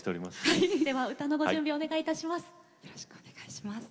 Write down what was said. では歌のご準備お願いいたします。